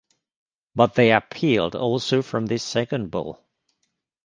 But they appealed also from this second Bull.